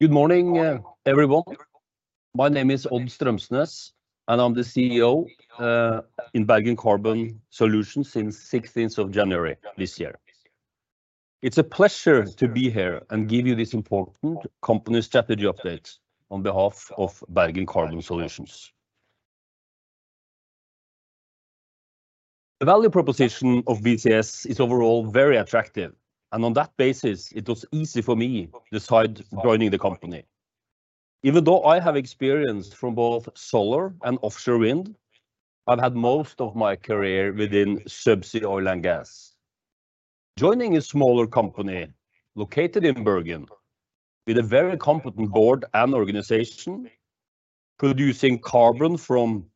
Good morning, everyone. My name is Odd Strømsnes, and I'm the CEO in Bergen Carbon Solutions since 16th of January this year. It's a pleasure to be here and give you this important company strategy update on behalf of Bergen Carbon Solutions. The value proposition of BCS is overall very attractive, and on that basis, it was easy for me decide joining the company. Even though I have experience from both solar and offshore wind, I've had most of my career within subsea oil and gas. Joining a smaller company located in Bergen with a very competent board and organization, producing carbon from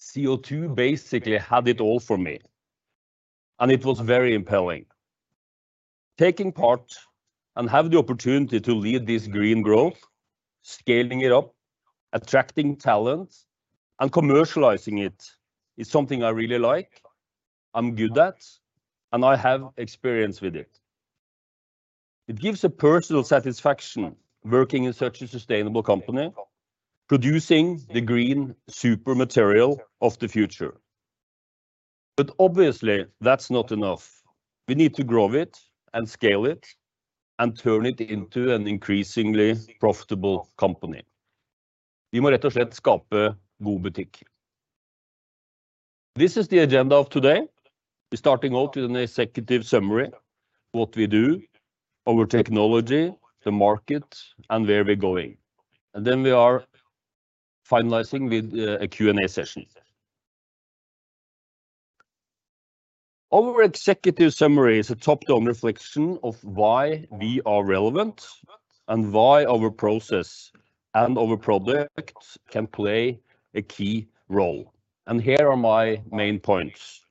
CO2, basically had it all for me, and it was very impelling. Taking part and have the opportunity to lead this green growth, scaling it up, attracting talent, and commercializing it is something I really like, I'm good at, and I have experience with it. It gives a personal satisfaction working in such a sustainable company, producing the green super material of the future. Obviously, that's not enough. We need to grow it and scale it and turn it into an increasingly profitable company. We must simply create good business. This is the agenda of today. We're starting out with an executive summary, what we do, our technology, the market, and where we're going. Then we are finalizing with a Q&A session. Our executive summary is a top-down reflection of why we are relevant and why our process and our product can play a key role, and here are my main points.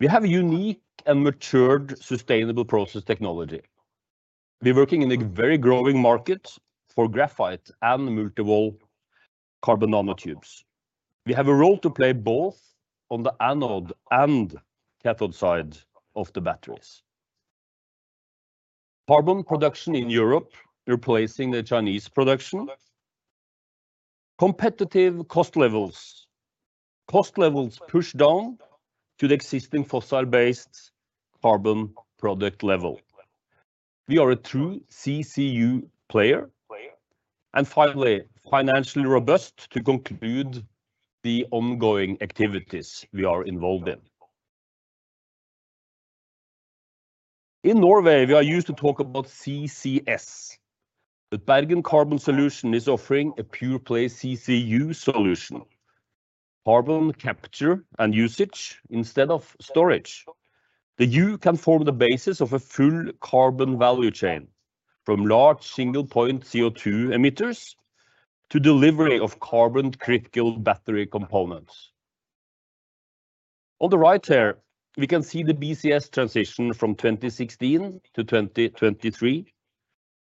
We have a unique and matured sustainable process technology. We're working in a very growing market for graphite and multi-walled carbon nanotubes. We have a role to play both on the anode and cathode side of the batteries. Carbon production in Europe, replacing the Chinese production. Competitive cost levels. Cost levels pushed down to the existing fossil-based carbon product level. We are a true CCU player. Finally, financially robust to conclude the ongoing activities we are involved in. In Norway, we are used to talk about CCS, but Bergen Carbon Solutions is offering a pure play CCU solution, carbon capture and usage instead of storage. The U can form the basis of a full carbon value chain from large single point CO2 emitters to delivery of carbon critical battery components. On the right here, we can see the BCS transition from 2016 to 2023,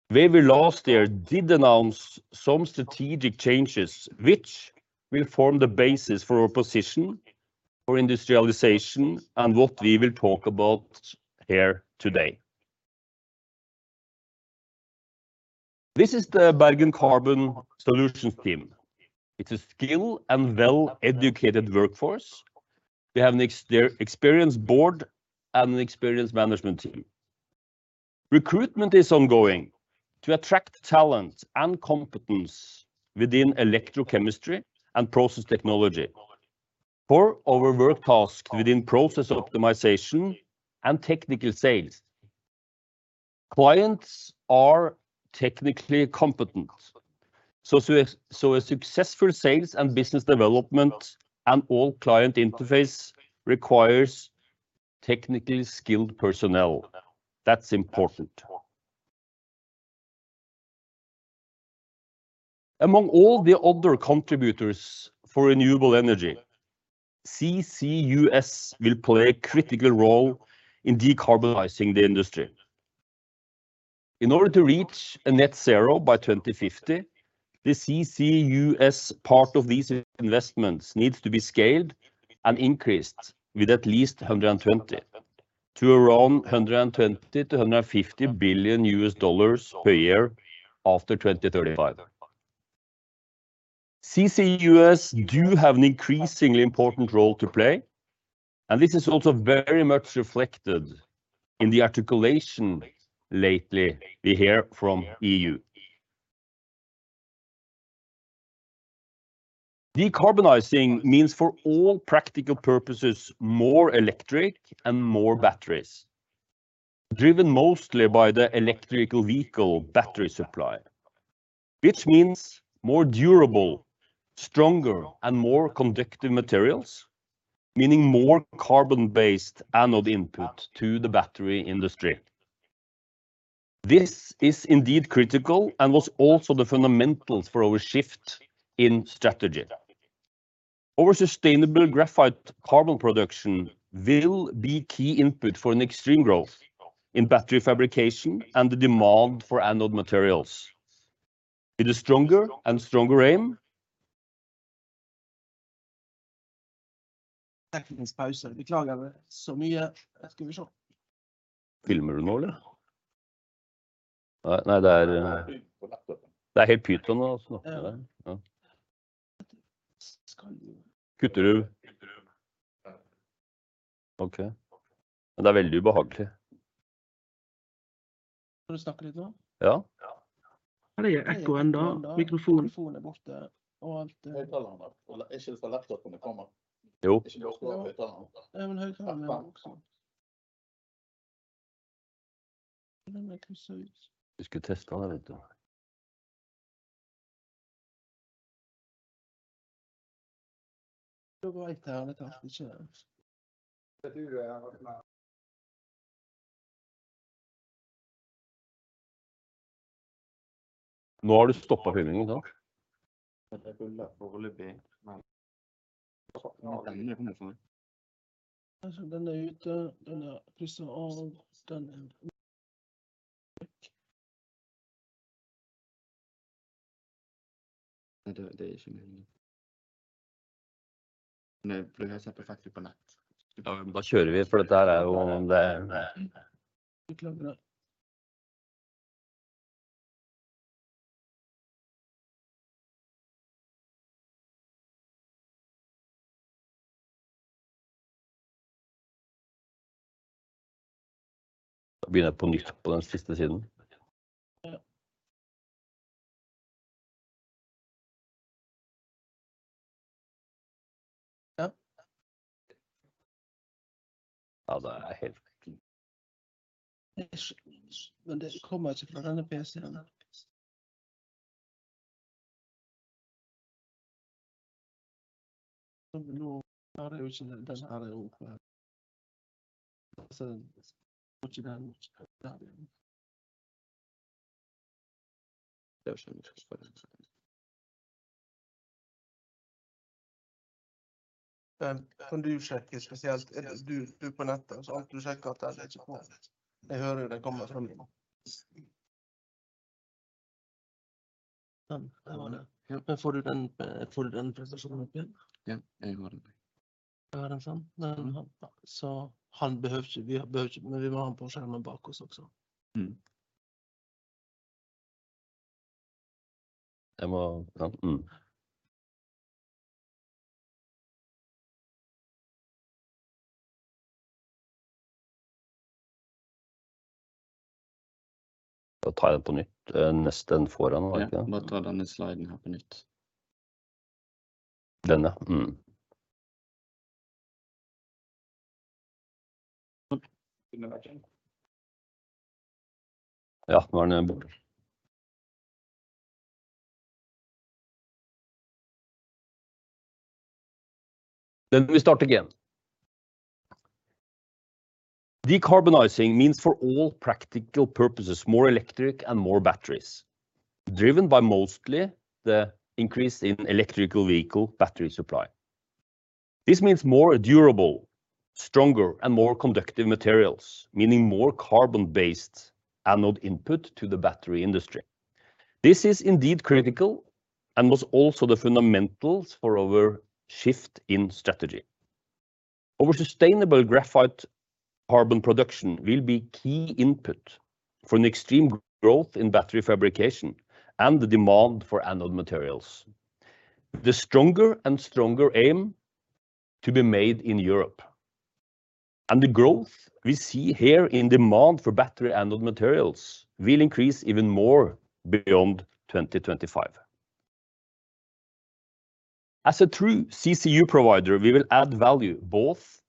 where we last year did announce some strategic changes which will form the basis for our position for industrialization and what we will talk about here today. This is the Bergen Carbon Solutions team. It's a skilled and well-educated workforce. They have an experienced board and an experienced management team. Recruitment is ongoing to attract talent and competence within electrochemistry and process technology for our work tasks within process optimization and technical sales. Clients are technically competent, so a successful sales and business development and all client interface requires technically skilled personnel. That's important. Among all the other contributors for renewable energy, CCUS will play a critical role in decarbonizing the industry. In order to reach a net zero by 2050, the CCUS part of these investments needs to be scaled and increased with at least $120 billion, to around $120 billion to $150 billion per year after 2035. CCUS do have an increasingly important role to play. This is also very much reflected in the articulation lately we hear from EU. Decarbonizing means, for all practical purposes, more electric and more batteries, driven mostly by the electrical vehicle battery supply, which means more durable, stronger, and more conductive materials, meaning more carbon-based anode input to the battery industry. This is indeed critical and was also the fundamentals for our shift in strategy. Our sustainable graphite carbon production will be key input for an extreme growth in battery fabrication and the demand for anode materials. It is stronger and stronger aim. Teknisk pause. Beklager så mye. Skal vi se. Filmer du nå eller? Nei, nei, det er på laptop. Det er helt pyton å snakke. Ja. Kutter du? Kutter ut. Okay, men det er veldig ubehagelig. Å snakke litt nå. Ja. Ja. Det er ekko enda. Mikrofonen. Borte og alt. Høyttaleren da. Er ikke det på laptopen det kommer? Jo. Høyttalerne. Ja, men høyttalerne også. Den er crucible. Du skulle teste den vet du. Da vet jeg ikke. Det tror jeg hvertfall. Nå har du stoppet filmingen da. Jeg gjorde det forhåpentligvis, men jeg har den på ned. Den er ute, den er pluss og den. Nei, det er ikke mulig. Nei, for jeg ser perfekt ut på nett. Ja, da kjører vi, for dette her er jo det. Beklager da. Da begynner jeg på nytt på den siste siden. Ja. Ja. Altså, jeg er helt... Det kommer til fra denne PCen. Nå er det jo ikke den her. Altså, ikke den der. Jeg skjønner. Kan du sjekke spesielt du på nettet og så kan du sjekke at det er liksom. Jeg hører jo det kommer lyd. Der var det. Får du den? Får du den presentasjonen opp igjen? Jeg har den. Jeg har den fremdan. Han behøver ikke. Vi behøver ikke, men vi må ha han på skjermen bak oss også. Jeg må vente. Tar jeg den på nytt. Neste. Den foran var det ikke den. Ta den sliden her på nytt. Den ja. Kunne vært den. Ja, nå er den borte. Vi starter igjen. Decarbonizing means for all practical purposes more electric and more batteries driven by mostly the increase in electrical vehicle battery supply. This means more durable, stronger and more conductive materials, meaning more carbon based anode input to the battery industry. This is indeed critical, and was also the fundamentals for our shift in strategy. Our sustainable graphite carbon production will be key input for an extreme growth in battery fabrication and the demand for anode materials. The stronger and stronger aim to be made in Europe, and the growth we see here in demand for battery anode materials will increase even more beyond 2025. As a true CCU provider, we will add value both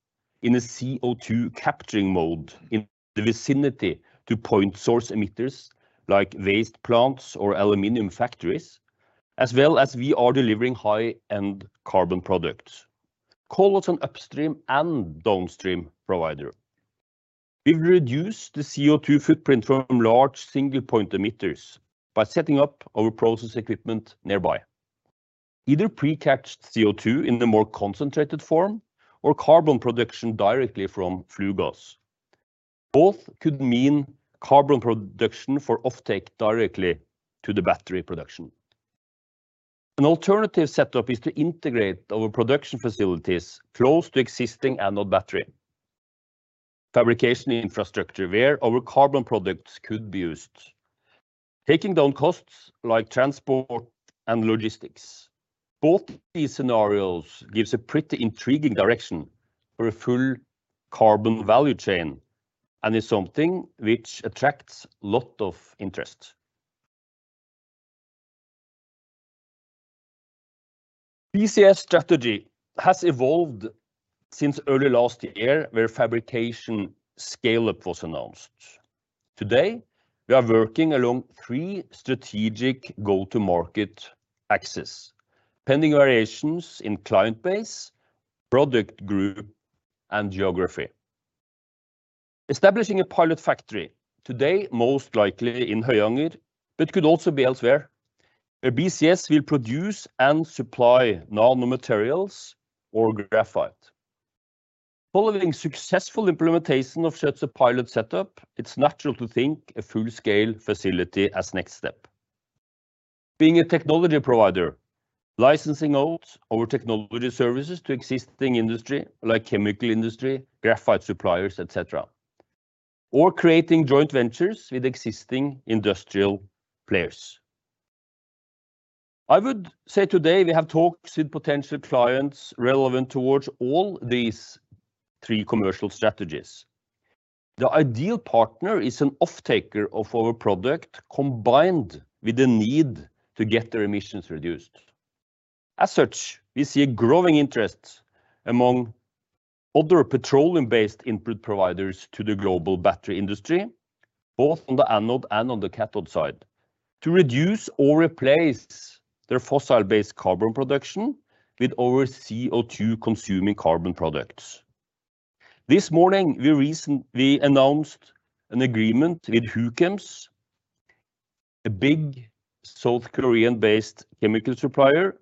in a CO2 capturing mode in the vicinity to point source emitters like waste plants or aluminum factories, as well as we are delivering high-end carbon products. Call us an upstream and downstream provider. We've reduced the CO2 footprint from large single point emitters by setting up our process equipment nearby, either pre-captured CO2 in the more concentrated form or carbon production directly from flue gas. Both could mean carbon production for offtake directly to the battery production. An alternative setup is to integrate our production facilities close to existing anode battery fabrication infrastructure, where our carbon products could be used. Taking down costs like transport and logistics. Both these scenarios gives a pretty intriguing direction for a full carbon value chain, and is something which attracts a lot of interest. BCS strategy has evolved since early last year where fabrication scale up was announced. Today we are working along three strategic go to market axis, pending variations in client base, product group and geography. Establishing a pilot factory today, most likely in Høyanger, but could also be elsewhere, where BCS will produce and supply nano materials or graphite. Following successful implementation of such a pilot setup, it's natural to think a full scale facility as next step. Being a technology provider, licensing out our technology services to existing industry, like chemical industry, graphite suppliers, et cetera, or creating joint ventures with existing industrial players. I would say today we have talks with potential clients relevant towards all these three commercial strategies. The ideal partner is an off-taker of our product combined with the need to get their emissions reduced. As such, we see a growing interest among other petroleum-based input providers to the global battery industry, both on the anode and on the cathode side, to reduce or replace their fossil-based carbon production with our CO2-consuming carbon products. This morning, we recently announced an agreement with Huchems, a big South Korean-based chemical supplier,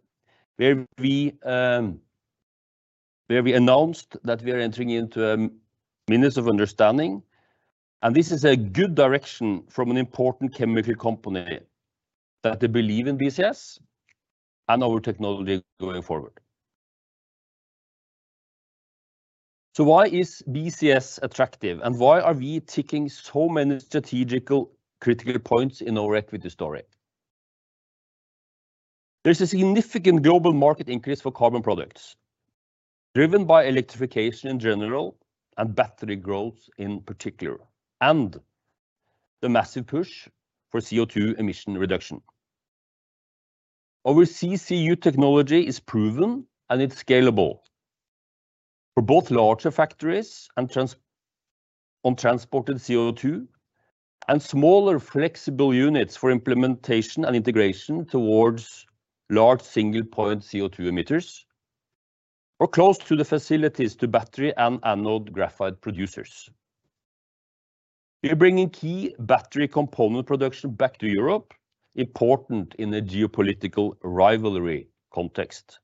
where we announced that we are entering into a memorandum of understanding, and this is a good direction from an important chemical company, that they believe in BCS and our technology going forward. Why is BCS attractive, and why are we ticking so many strategical critical points in our equity story? There's a significant global market increase for carbon products, driven by electrification in general and battery growth in particular, and the massive push for CO2 emission reduction. Our CCU technology is proven, and it's scalable for both larger factories and transported CO2 and smaller, flexible units for implementation and integration towards large single-point CO2 emitters, or close to the facilities to battery and anode graphite producers. We are bringing key battery component production back to Europe, important in a geopolitical rivalry context.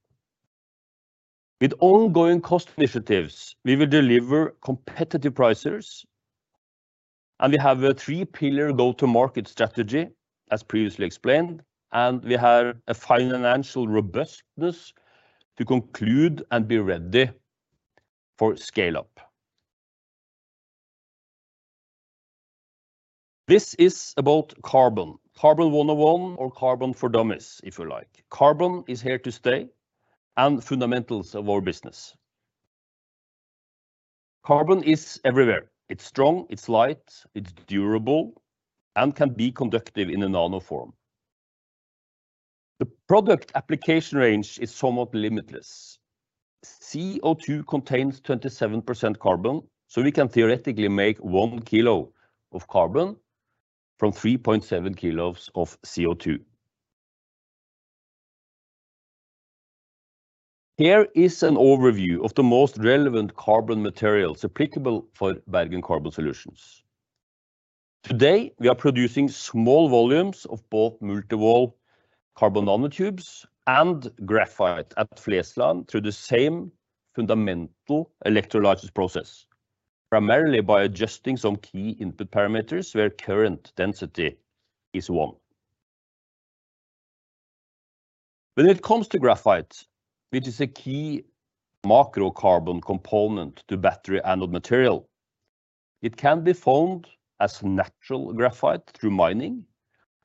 With ongoing cost initiatives, we will deliver competitive prices, and we have a 3-pillar go-to-market strategy, as previously explained, and we have a financial robustness to conclude and be ready for scale-up. This is about carbon, Carbon 101, or Carbon for Dummies, if you like. Carbon is here to stay and fundamentals of our business. Carbon is everywhere. It's strong, it's light, it's durable, and can be conductive in a nano form. The product application range is somewhat limitless. CO2 contains 27% carbon, so we can theoretically make 1 kg of carbon from 3.7 kg of CO2. Here is an overview of the most relevant carbon materials applicable for Bergen Carbon Solutions. Today, we are producing small volumes of both multi-walled carbon nanotubes and graphite at Flesland through the same fundamental electrolysis process, primarily by adjusting some key input parameters where current density is one. When it comes to graphite, which is a key macro carbon component to battery anode material, it can be found as natural graphite through mining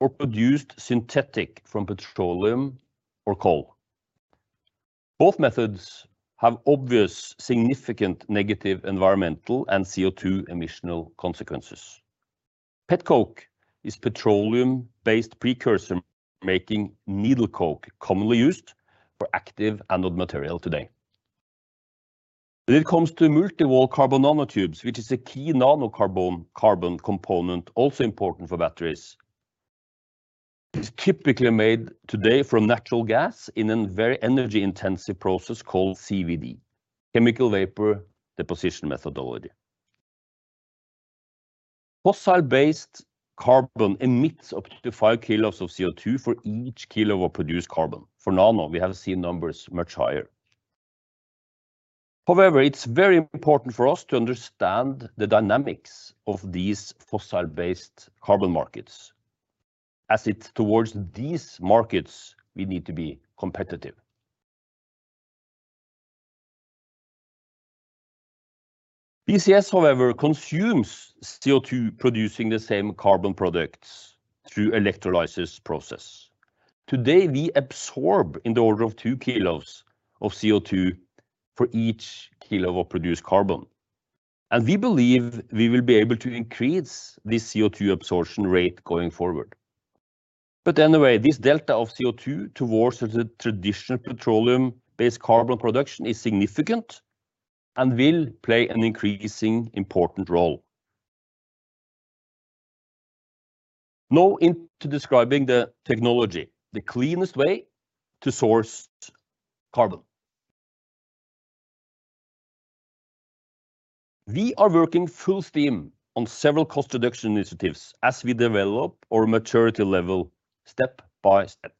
or produced synthetic from petroleum or coal. Both methods have obvious significant negative environmental and CO2 emissional consequences. Petcoke is petroleum-based precursor making needle coke commonly used for active anode material today. When it comes to multi-walled carbon nanotubes, which is a key nano carbon component also important for batteries, it is typically made today from natural gas in a very energy-intensive process called CVD, chemical vapor deposition methodology. Fossil-based carbon emits up to five kilos of CO2 for each kilo of produced carbon. For nano, we have seen numbers much higher. However, it's very important for us to understand the dynamics of these fossil-based carbon markets, as it's towards these markets we need to be competitive. BCS, however, consumes CO2 producing the same carbon products through electrolysis process. Today, we absorb in the order of two kilos of CO2 for each kilo of produced carbon. We believe we will be able to increase this CO2 absorption rate going forward. This delta of CO2 towards the traditional petroleum-based carbon production is significant and will play an increasing important role. Now into describing the technology, the cleanest way to source carbon. We are working full steam on several cost reduction initiatives as we develop our maturity level step by step.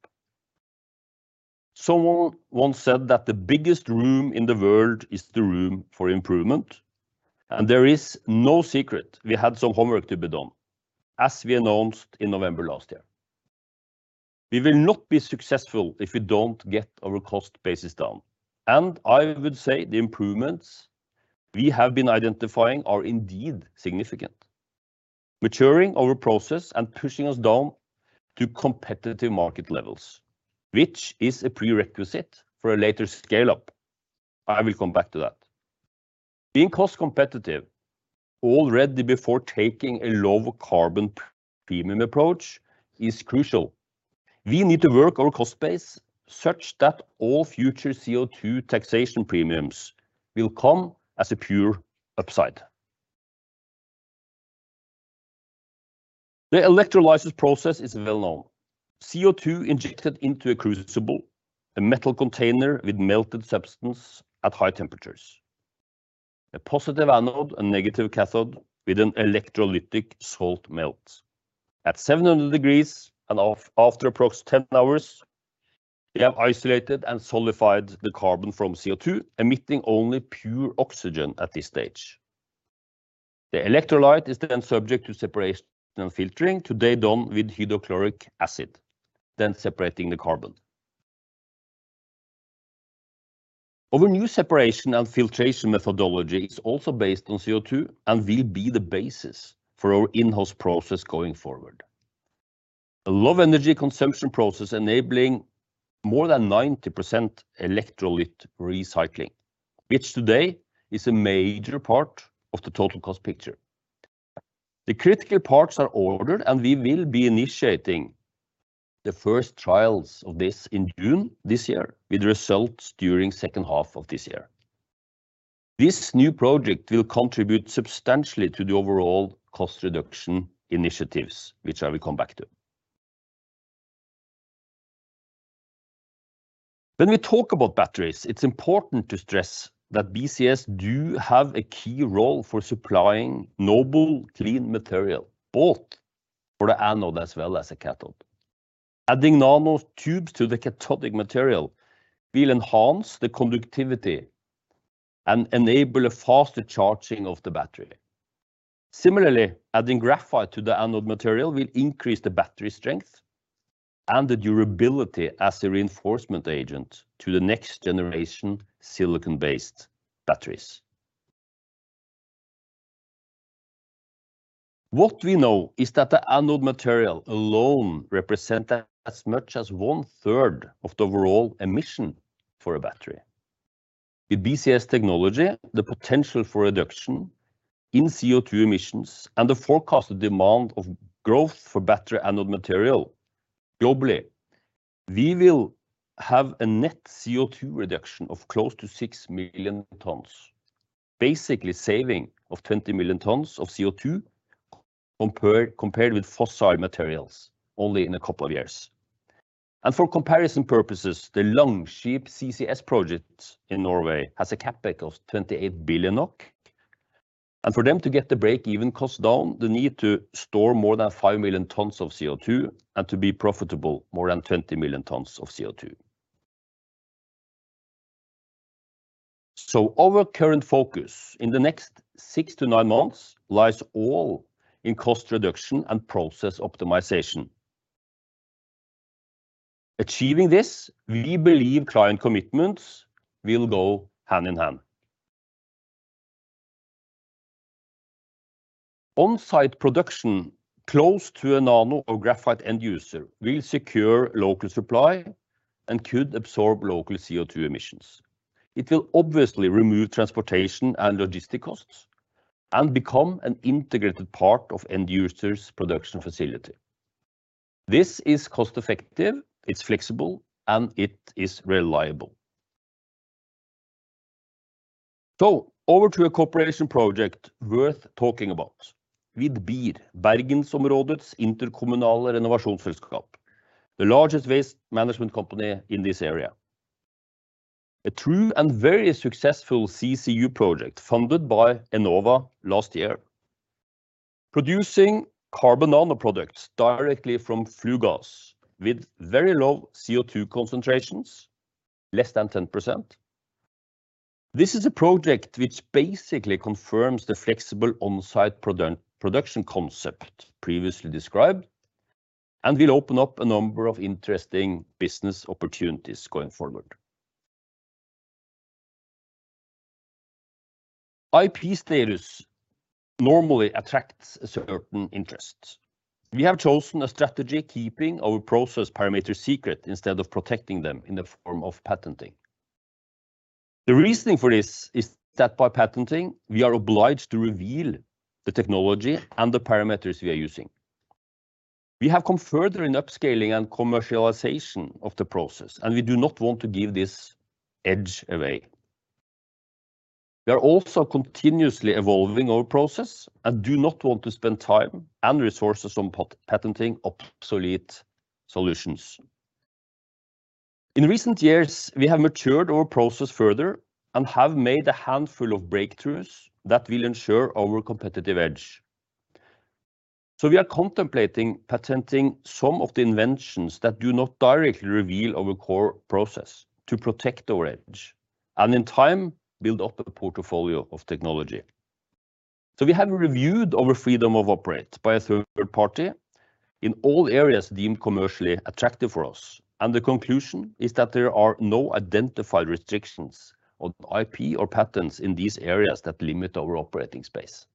Someone once said that the biggest room in the world is the room for improvement, and there is no secret we had some homework to be done, as we announced in November last year. We will not be successful if we don't get our cost bases down, and I would say the improvements we have been identifying are indeed significant. Maturing our process and pushing us down to competitive market levels, which is a prerequisite for a later scale up. I will come back to that. Being cost competitive already before taking a low carbon premium approach is crucial. We need to work our cost base such that all future CO2 taxation premiums will come as a pure upside. The electrolysis process is well-known. CO2 injected into a crucible, a metal container with melted substance at high temperatures, a positive anode and negative cathode with an electrolytic salt melt. At 700 degrees after approximate 10 hours, we have isolated and solidified the carbon from CO2, emitting only pure oxygen at this stage. The electrolyte is then subject to separation and filtering, today done with hydrochloric acid, then separating the carbon. Our new separation and filtration methodology is also based on CO2 and will be the basis for our in-house process going forward. A low energy consumption process enabling more than 90% electrolyte recycling, which today is a major part of the total cost picture. The critical parts are ordered. We will be initiating the first trials of this in June this year, with results during second half of this year. This new project will contribute substantially to the overall cost reduction initiatives, which I will come back to. When we talk about batteries, it's important to stress that BCS do have a key role for supplying noble clean material both for the anode as well as a cathode. Adding nano tubes to the cathodic material will enhance the conductivity and enable a faster charging of the battery. Similarly, adding graphite to the anode material will increase the battery strength and the durability as a reinforcement agent to the next-generation silicon-based batteries. What we know is that the anode material alone represent as much as 1/3 of the overall emission for a battery. With BCS technology, the potential for reduction in CO2 emissions and the forecasted demand of growth for battery anode material globally, we will have a net CO2 reduction of close to 6 million tons, basically saving of 20 million tons of CO2 compared with fossil materials only in a couple of years. For comparison purposes, the Longship CCS project in Norway has a CapEx of 28 billion NOK, and for them to get the break-even cost down, they need to store more than 5 million tons of CO2, and to be profitable, more than 20 million tons of CO2. Our current focus in the next six to nine months lies all in cost reduction and process optimization. Achieving this, we believe client commitments will go hand-in-hand. On-site production close to a nano or graphite end user will secure local supply and could absorb local CO2 emissions. It will obviously remove transportation and logistic costs and become an integrated part of end user's production facility. This is cost-effective, it's flexible, and it is reliable. Over to a cooperation project worth talking about. With BIR, Bergensområdets Interkommunale Renovasjonsselskap, the largest waste management company in this area. A true and very successful CCU project funded by Enova last year, producing carbon nano products directly from flue gas with very low CO2 concentrations, less than 10%. This is a project which basically confirms the flexible on-site production concept previously described and will open up a number of interesting business opportunities going forward. IP status normally attracts a certain interest. We have chosen a strategy keeping our process parameters secret instead of protecting them in the form of patenting. The reasoning for this is that by patenting, we are obliged to reveal the technology and the parameters we are using. We have come further in upscaling and commercialization of the process, and we do not want to give this edge away. We are also continuously evolving our process and do not want to spend time and resources on patenting obsolete solutions. In recent years, we have matured our process further and have made a handful of breakthroughs that will ensure our competitive edge. We are contemplating patenting some of the inventions that do not directly reveal our core process to protect our edge and in time build up a portfolio of technology. We have reviewed our freedom to operate by a third party in all areas deemed commercially attractive for us, and the conclusion is that there are no identified restrictions on IP or patents in these areas that limit our operating space.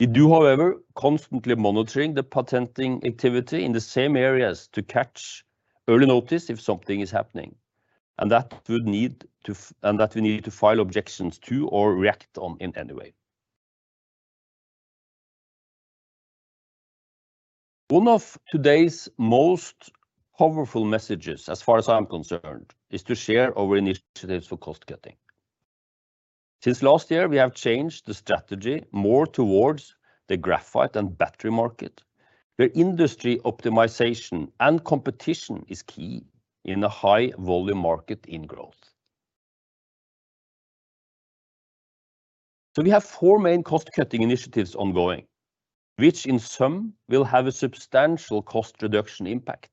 We do, however, constantly monitoring the patenting activity in the same areas to catch early notice if something is happening, and that we need to file objections to or react on in any way. One of today's most powerful messages, as far as I'm concerned, is to share our initiatives for cost-cutting. Since last year, we have changed the strategy more towards the graphite and battery market, where industry optimization and competition is key in a high-volume market in growth. We have four main cost-cutting initiatives ongoing, which in sum will have a substantial cost reduction impact,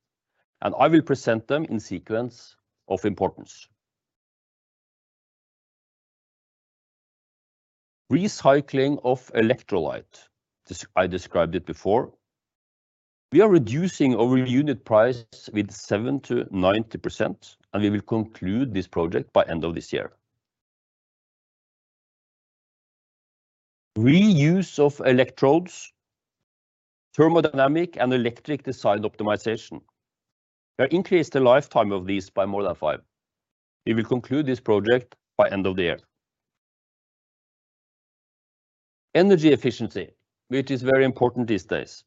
and I will present them in sequence of importance. Recycling of electrolyte. I described it before. We are reducing our unit price with 70%-90%, and we will conclude this project by end of this year. Reuse of electrodes, thermodynamic and electric design optimization. We increase the lifetime of these by more than five. We will conclude this project by end of the year. Energy efficiency, which is very important these days.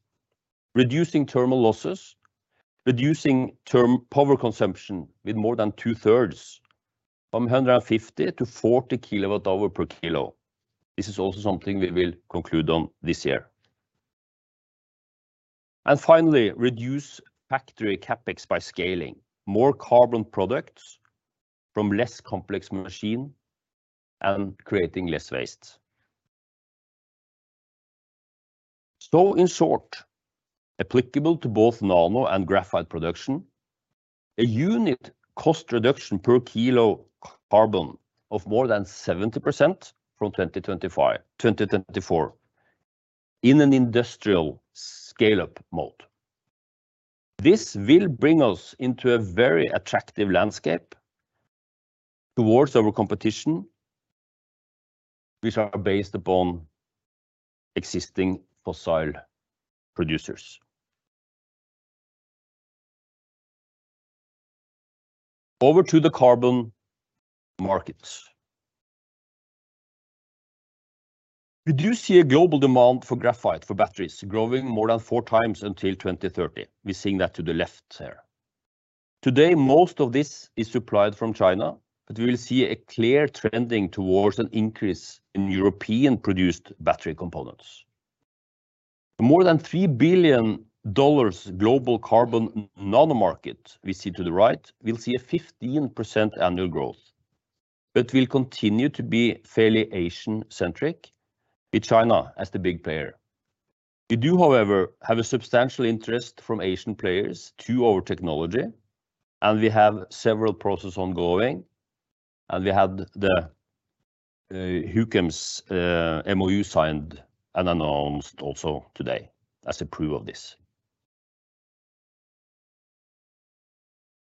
Reducing thermal losses, reducing term power consumption with more than 2/3, from 150kWh to 40kWh per kilo. This is also something we will conclude on this year. Finally, reduce factory CapEx by scaling more carbon products from less complex machine and creating less waste. In short, applicable to both nano and graphite production, a unit cost reduction per kilo carbon of more than 70% from 2025, 2024 in an industrial scale-up mode. This will bring us into a very attractive landscape towards our competition, which are based upon existing fossil producers. Over to the carbon markets. We do see a global demand for graphite for batteries growing more than four times until 2030. We're seeing that to the left there. Today, most of this is supplied from China, but we will see a clear trending towards an increase in European-produced battery components. More than $3 billion global carbon nano market, we see to the right, we'll see a 15% annual growth, but will continue to be fairly Asian-centric, with China as the big player. We do, however, have a substantial interest from Asian players to our technology, and we have several process ongoing, and we have the Huchems MOU signed and announced also today as a proof of this.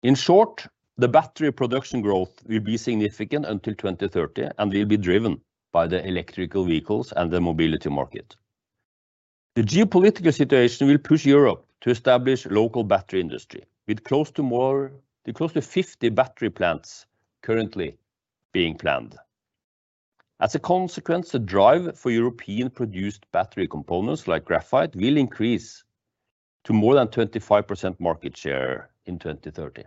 In short, the battery production growth will be significant until 2030 and will be driven by the electrical vehicles and the mobility market. The geopolitical situation will push Europe to establish local battery industry, with close to 50 battery plants currently being planned. As a consequence, the drive for European-produced battery components like graphite will increase to more than 25% market share in 2030.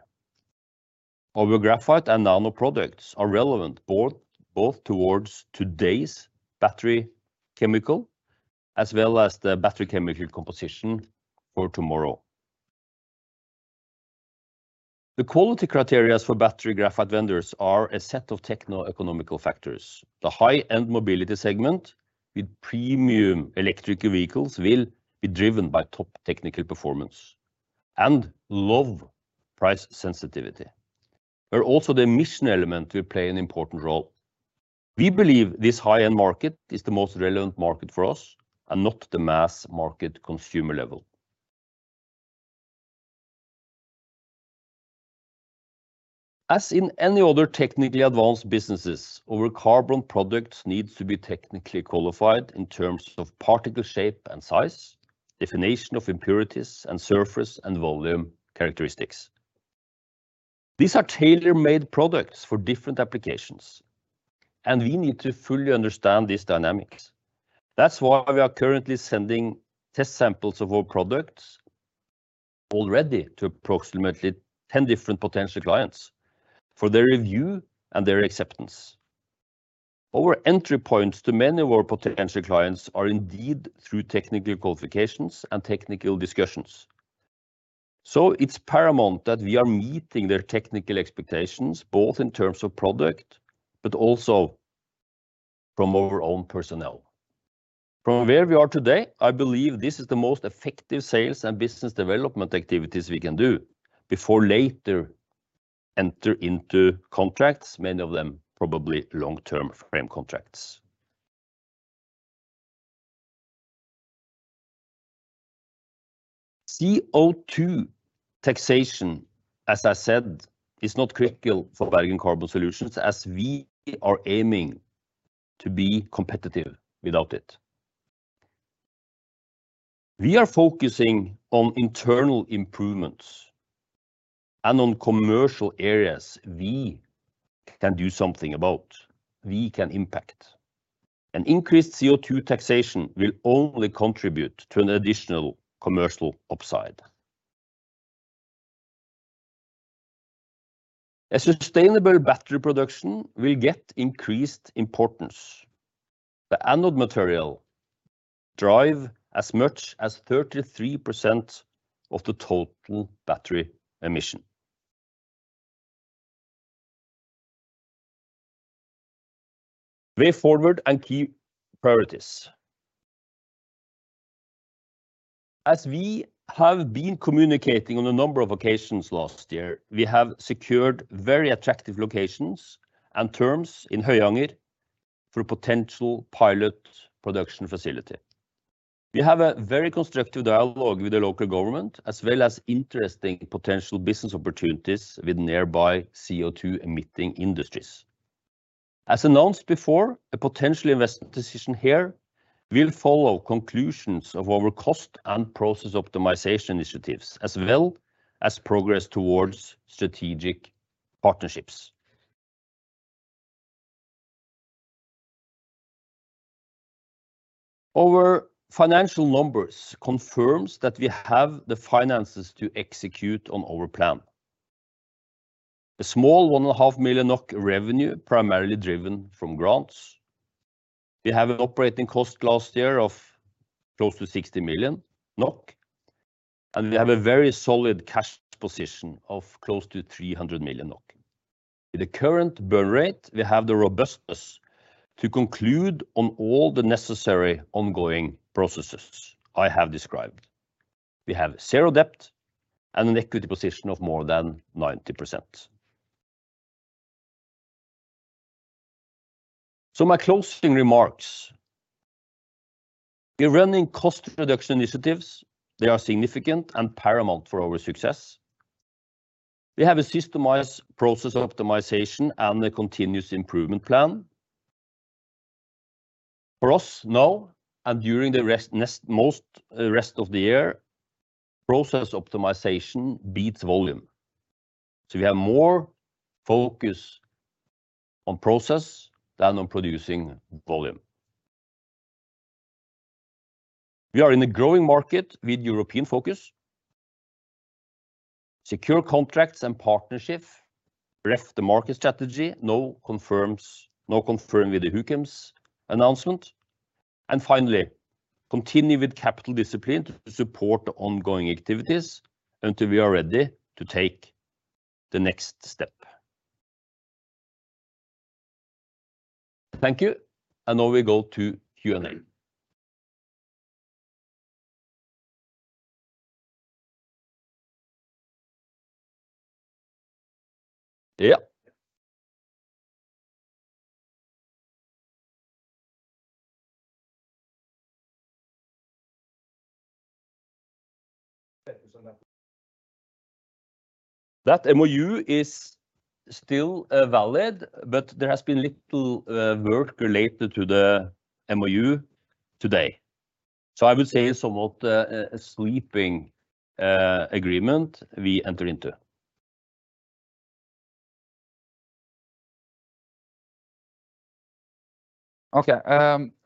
Our graphite and nano products are relevant both towards today's battery chemical as well as the battery chemical composition for tomorrow. The quality criterias for battery graphite vendors are a set of techno-economical factors. The high-end mobility segment with premium electric vehicles will be driven by top technical performance and low price sensitivity. Also the emission element will play an important role. We believe this high-end market is the most relevant market for us and not the mass market consumer level. As in any other technically advanced businesses, our carbon products needs to be technically qualified in terms of particle shape and size, definition of impurities, and surface and volume characteristics. These are tailor-made products for different applications, and we need to fully understand these dynamics. That's why we are currently sending test samples of our products already to approximately 10 different potential clients for their review and their acceptance. Our entry points to many of our potential clients are indeed through technical qualifications and technical discussions. It's paramount that we are meeting their technical expectations, both in terms of product, but also from our own personnel. From where we are today, I believe this is the most effective sales and business development activities we can do before later enter into contracts, many of them probably long-term frame contracts. CO2 taxation, as I said, is not critical for Bergen Carbon Solutions as we are aiming to be competitive without it. We are focusing on internal improvements and on commercial areas we can do something about, we can impact. An increased CO2 taxation will only contribute to an additional commercial upside. A sustainable battery production will get increased importance. The anode material drive as much as 33% of the total battery emission. Way forward and key priorities. As we have been communicating on a number of occasions last year, we have secured very attractive locations and terms in Høyanger for potential pilot production facility. We have a very constructive dialogue with the local government, as well as interesting potential business opportunities with nearby CO2-emitting industries. As announced before, a potential investment decision here will follow conclusions of our cost and process optimization initiatives, as well as progress towards strategic partnerships. Our financial numbers confirms that we have the finances to execute on our plan. A small 1.5 million NOK revenue primarily driven from grants. We have an operating cost last year of close to 60 million NOK, and we have a very solid cash position of close to 300 million NOK. With the current burn rate, we have the robustness to conclude on all the necessary ongoing processes I have described. We have zero debt and an equity position of more than 90%. My closing remarks. We're running cost reduction initiatives. They are significant and paramount for our success. We have a systemized process optimization and a continuous improvement plan. For us now and during the rest of the year, process optimization beats volume. We have more focus on process than on producing volume. We are in a growing market with European focus. Secure contracts and partnership. Ref the market strategy. No confirm with the Huchems announcement. Finally, continue with capital discipline to support the ongoing activities until we are ready to take the next step. Thank you. Now we go to Q&A. That MOU is still valid, but there has been little work related to the MOU today. I would say it's somewhat, a sleeping, agreement we enter into. Okay,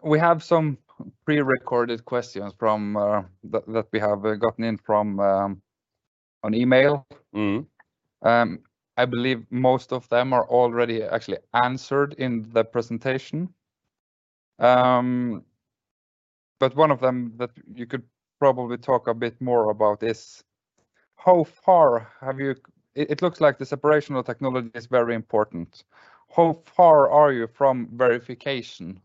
we have some pre-recorded questions from that we have gotten in from an email. Mm-hmm. I believe most of them are already actually answered in the presentation. One of them that you could probably talk a bit more about is: it looks like the separation of technology is very important. How far are you from verification?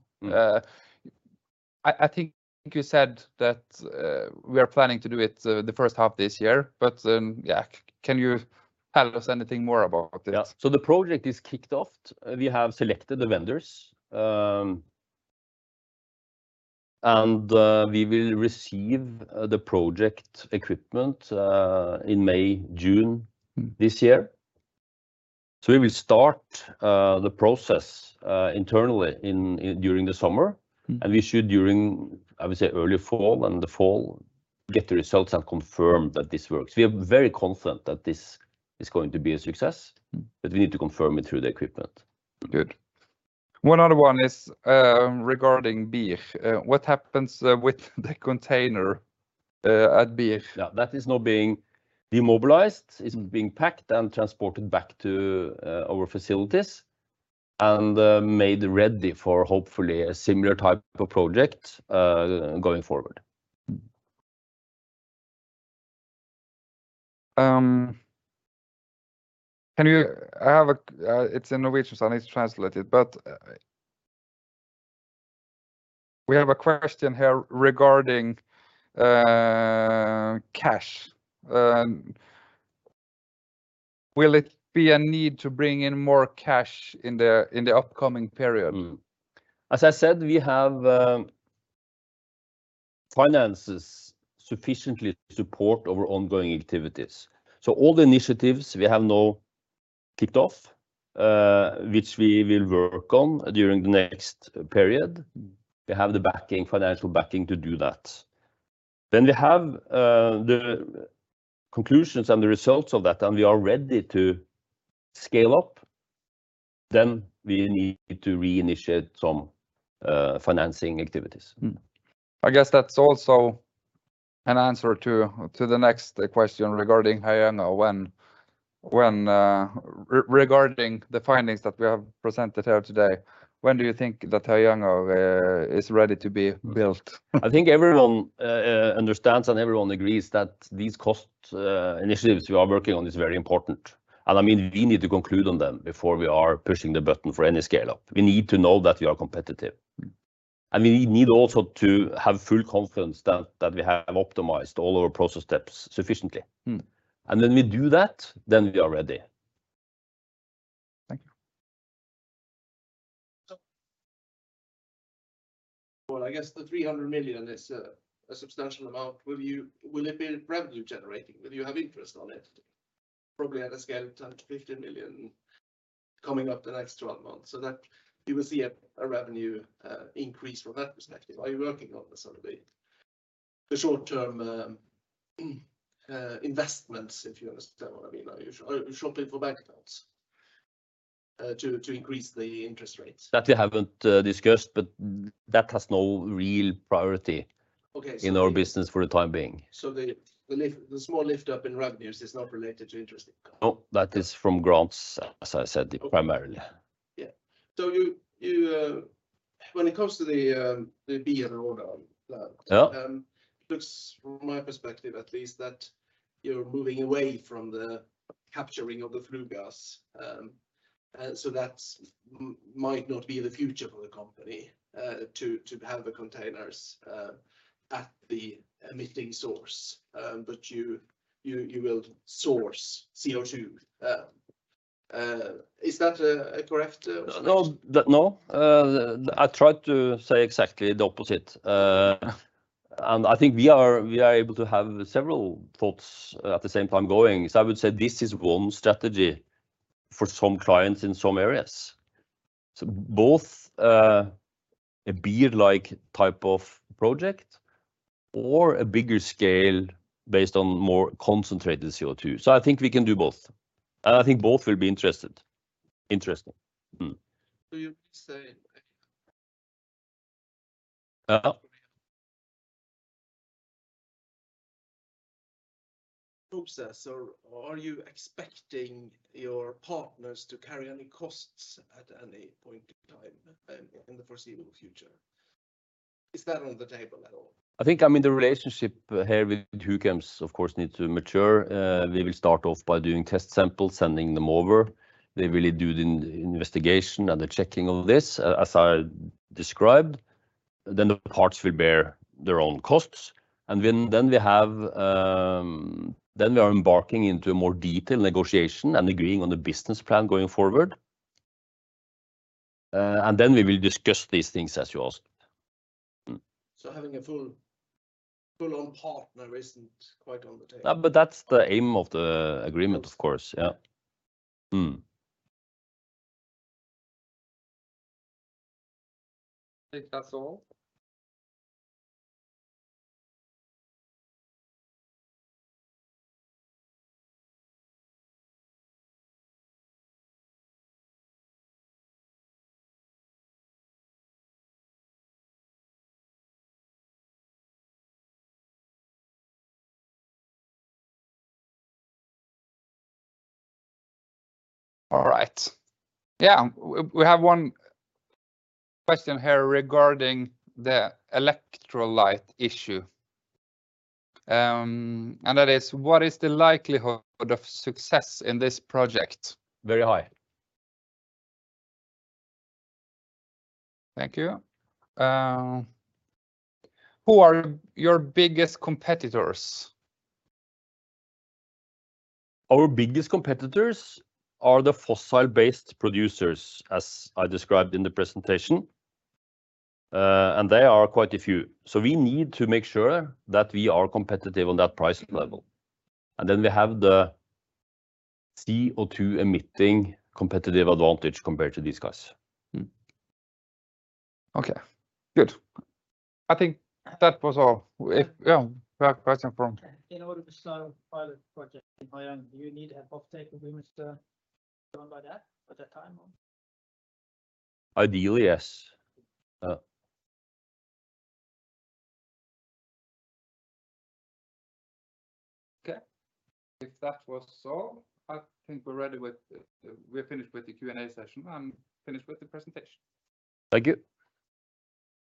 I think you said that we are planning to do it the first half this year, but, yeah, can you tell us anything more about it? The project is kicked off. We have selected the vendors, and we will receive the project equipment in May, June this year. We will start the process internally during the summer, and we should during, I would say, early fall and the fall, get the results and confirm that this works. We are very confident that this is going to be a success, but we need to confirm it through the equipment. Good. One other one is, regarding BIR. What happens with the container at BIR? Yeah. That is now being demobilized. It's being packed and transported back to our facilities. Made ready for hopefully a similar type of project, going forward. It's in Norwegian, so I need to translate it, but we have a question here regarding cash. Will it be a need to bring in more cash in the upcoming period? As I said, we have finances sufficiently to support our ongoing activities. All the initiatives we have now kicked off, which we will work on during the next period, we have the backing, financial backing to do that. When we have the conclusions and the results of that and we are ready to scale up, then we need to re-initiate some financing activities. I guess that's also an answer to the next question regarding Høyanger, when regarding the findings that we have presented here today, when do you think that Høyanger is ready to be built? I think everyone understands and everyone agrees that these cost initiatives we are working on is very important. I mean, we need to conclude on them before we are pushing the button for any scale-up. We need to know that we are competitive. Mm. We need also to have full confidence that we have optimized all our process steps sufficiently. Mm. When we do that, then we are ready. Thank you. I guess the 300 million is a substantial amount. Will it be revenue generating? Will you have interest on it? Probably at a scale of 10 million-15 million coming up the next 12 months, so that you will see a revenue increase from that perspective. Are you working on this sort of a, the short-term investments, if you understand what I mean? Are you shopping for bank notes, to increase the interest rates? That we haven't discussed, but that has no real priority. Okay. In our business for the time being. The, the lift, the small lift up in revenues is not related to interest income. No, that is from grants, as I said, primarily. Okay. Yeah. When it comes to the BIR plan, looks from my perspective at least that you're moving away from the capturing of the flue gas. That might not be the future for the company, to have the containers at the emitting source. You will source CO2. Is that correct assumption? No. No. I tried to say exactly the opposite. I think we are able to have several thoughts at the same time going. I would say this is one strategy for some clients in some areas. Both, a BIR-like type of project or a bigger scale based on more concentrated CO2. I think we can do both, and I think both will be interested. Interesting. You're saying? Uh? Process or are you expecting your partners to carry any costs at any point in time, in the foreseeable future? Is that on the table at all? I think, I mean, the relationship here with Huchems of course need to mature. We will start off by doing test samples, sending them over. They will do the investigation and the checking of this, as I described. The parts will bear their own costs. We are embarking into a more detailed negotiation and agreeing on the business plan going forward. We will discuss these things as you ask. Having a full-on partner isn't quite on the table. No, but that's the aim of the agreement, of course. Okay. Yeah. I think that's all. All right. Yeah. We have one question here regarding the electrolyte issue. That is: What is the likelihood of success in this project? Very high. Thank you. Who are your biggest competitors? Our biggest competitors are the fossil-based producers, as I described in the presentation. There are quite a few. We need to make sure that we are competitive on that price level. We have the CO2 emitting competitive advantage compared to these guys. Okay. Good. I think that was all. We have question In order to start a pilot project in Høyanger, do you need to have offtake agreements done by that, at that time, or? Ideally, yes. Okay. If that was so, I think we're ready. We're finished with the Q&A session and finished with the presentation. Thank you.